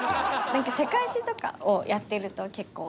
なんか世界史とかをやってると結構。